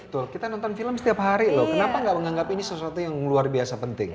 betul kita nonton film setiap hari loh kenapa nggak menganggap ini sesuatu yang luar biasa penting